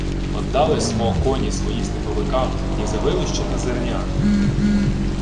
— Оддали смо коні свої степовикам ні за вилущене зерня.